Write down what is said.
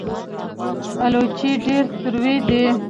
الوچې ډېرې تروې دي